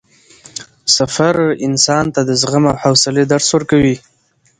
سفر انسان ته د زغم او حوصلې درس ورکوي